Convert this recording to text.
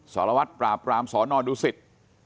สารวัฒน์ปราบปรามสอนอนดุศิษฐ์